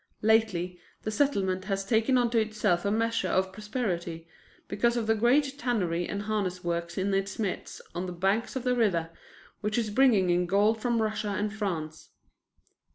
Lately, the Settlement has taken unto itself a measure of prosperity, because of the great tannery and harness works in its midst on the banks of the river, which is bringing in gold from Russia and France.